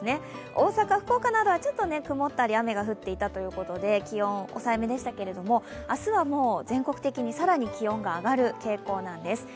大阪、福岡などはちょっと曇ったり雨が降ったということで気温、抑えめでしたけど、明日は全国的に更に気温が上がる傾向なんです。